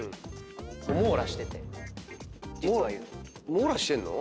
網羅してんの？